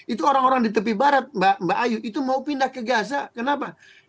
itu orang orang di tepi barat mbak ayu itu mau pindah ke gaza kenapa